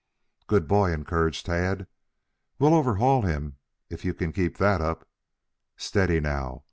"Good boy," encouraged Tad. "We'll overhaul him if you can keep that up. Steady now.